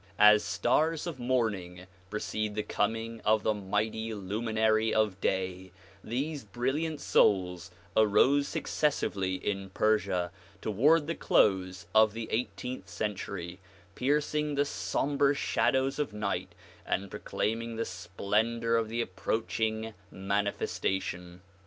As stars of morning precede the coming of the mighty luminary of day, these brilliant souls arose successively in Persia toward the close of the eighteenth century, piercing the sombre shadows of night and proclaiming the splendor of the approaching manifestation.